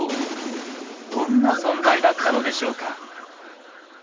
どんな存在だったのでしょうか？